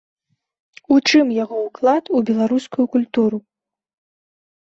У чым яго ўклад у беларускую культуру?